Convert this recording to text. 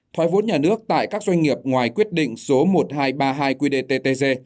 thoái vốn nhà nước tại các doanh nghiệp ngoài quyết định số một nghìn hai trăm ba mươi hai qdttg